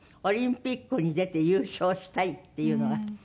「オリンピックに出て優勝したい」っていうのが。